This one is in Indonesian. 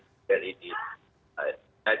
saya belum baca adat